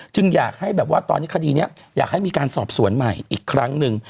อยากให้แบบว่าตอนนี้คดีนี้อยากให้มีการสอบสวนใหม่อีกครั้งหนึ่ง